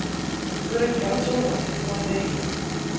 Tura, kker ad tṛuḥeḍ si tmurt-agi.